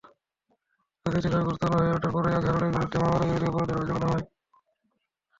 রাজনৈতিকভাবে গুরুত্বপূর্ণ হয়ে ওঠার পরেই আজহারুলের বিরুদ্ধে মানবতাবিরোধী অপরাধের অভিযোগ আনা হয়।